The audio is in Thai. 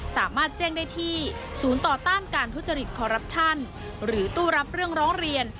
สามารถแจ้งได้ที่ศูนย์ต่อต้านการทุจริตคอรัปชั่นหรือตู้รับเรื่องร้องเรียน